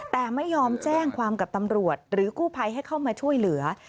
แต่ไม่ยอมแจ้งความกับตำรวจหรือกู้ภัยให้เข้ามาช่วยเหลือ